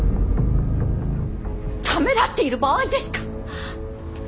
ためらっている場合ですか！